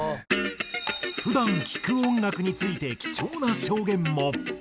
普段聴く音楽について貴重な証言も。